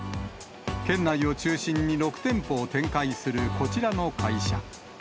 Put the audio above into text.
県内を中心に６店舗を展開するこちらの会社。